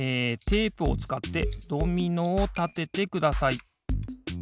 テープをつかってドミノをたててください。